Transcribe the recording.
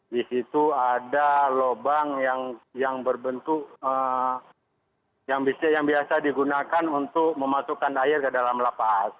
di situ ada lubang yang berbentuk yang biasa digunakan untuk memasukkan air ke dalam lapas